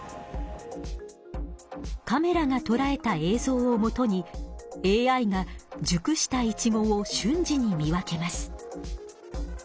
カメラがとらえた映像をもとにＡＩがじゅくしたイチゴをしゅん時に見分けます。